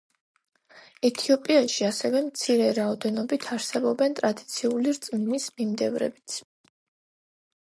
ეთიოპიაში ასევე მცირე რაოდენობით არსებობენ ტრადიციული რწმენის მიმდევრებიც.